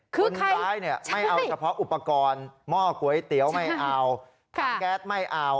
คนร้ายไม่เอาเฉพาะอุปกรณ์หม้อก๋วยเตี๋ยวไม่เอาถังแก๊สไม่เอา